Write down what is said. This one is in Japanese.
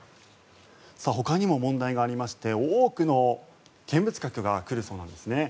ほかにも問題がありまして多くの見物客が来るそうなんです。